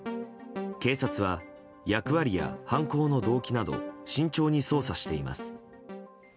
警察は、役割や犯行の動機など慎重に捜査しています。